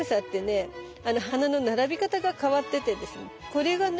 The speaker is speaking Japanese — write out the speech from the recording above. これがね